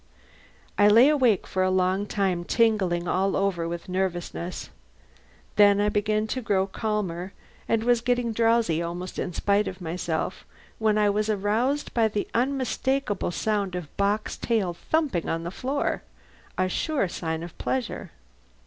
I lay awake for a long time, tingling all over with nervousness. Then I began to grow calmer, and was getting drowsy almost in spite of myself when I was aroused by the unmistakable sound of Bock's tail thumping on the floor a sure sign of pleasure.